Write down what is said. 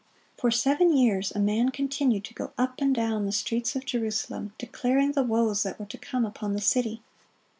(40) For seven years a man continued to go up and down the streets of Jerusalem, declaring the woes that were to come upon the city.